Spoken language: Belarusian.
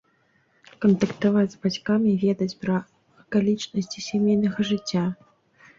Кантактаваць з бацькамі, ведаць пра акалічнасці сямейнага жыцця.